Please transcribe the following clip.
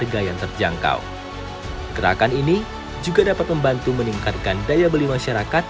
gerakan ini juga dapat membantu meningkatkan daya beli masyarakat